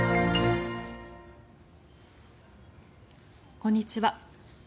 こんにちは。